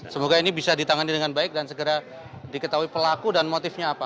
semoga ini bisa ditangani dengan baik dan segera diketahui pelaku dan motifnya apa